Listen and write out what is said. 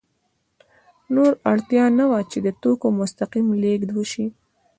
نور اړتیا نه وه چې د توکو مستقیم لېږد وشي